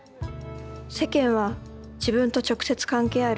「世間」は自分と直接関係ある人達のこと。